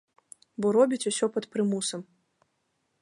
Бо робяць усё пад прымусам.